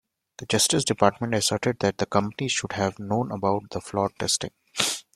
The Justice Department asserted that the companies should have known about the flawed testing.